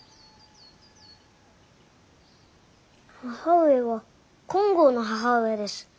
母上は金剛の母上です。